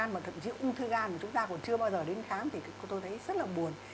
mà thậm chí ung thư gan mà chúng ta còn chưa bao giờ đến khám thì tôi thấy rất là buồn